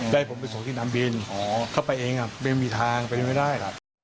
ให้ผมไปส่งที่นำบินเข้าไปเองไม่มีทางเป็นไม่ได้หรอก